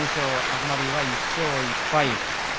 東龍は１勝１敗。